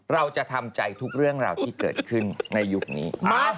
เราจะทำใจทุกเรื่องราวที่เกิดขึ้นในยุคนี้